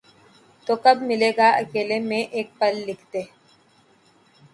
تو کب ملے گا اکیلے میں ایک پل لکھ دے